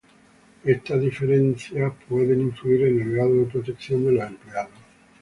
Estas diferencias pueden influir en el grado de protección de los empleados.